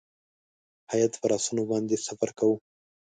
هیات پر آسونو باندې سفر کاوه.